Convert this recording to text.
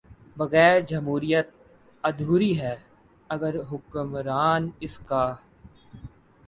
بغیر جمہوریت ادھوری ہے اگر حکمران اس کا